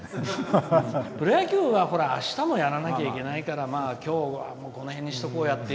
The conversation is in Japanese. プロ野球はあしたもやらなきゃいけないからきょうはこの辺にしておこうやって。